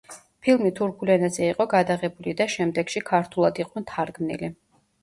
ფილმი თურქულ ენაზე იყო გადაღებული და შემდეგში ქურთულად იყო თარგმნილი.